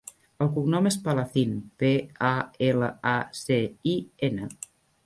El cognom és Palacin: pe, a, ela, a, ce, i, ena.